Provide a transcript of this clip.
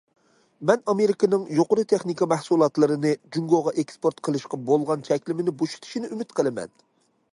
مەن ئامېرىكىنىڭ يۇقىرى تېخنىكا مەھسۇلاتلىرىنى جۇڭگوغا ئېكسپورت قىلىشقا بولغان چەكلىمىنى بوشىتىشىنى ئۈمىد قىلىمەن.